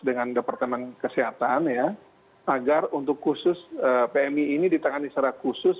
dengan departemen kesehatan ya agar untuk khusus pmi ini ditangani secara khusus